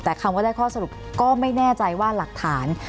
แต่คำว่าได้ข้อสรุปก็ไม่แน่ใจว่าหลักฐาน